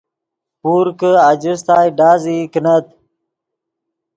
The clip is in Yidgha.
پور کہ آجستائے ڈازئی کینت